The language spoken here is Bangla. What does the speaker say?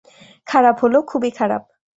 খারাপ হলো, খুবই খারাপ।